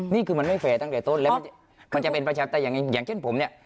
นี่คือมันไม่แฟร์ตั้งแต่ต้นแล้วมันจะเป็นประชาปไตยอย่างเช่นผมเนี่ย